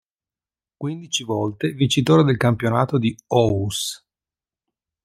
Quindici volte vincitore del campionato di Aarhus.